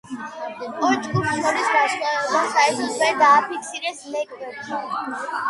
ორ ჯგუფს შორის განსხვავება საერთოდ ვერ დააფიქსირეს ლეკვებმა.